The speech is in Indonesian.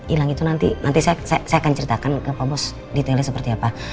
hilang itu nanti saya akan ceritakan ke pak bos detailnya seperti apa